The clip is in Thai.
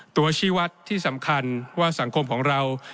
ชีวัตรที่สำคัญว่าสังคมของเรา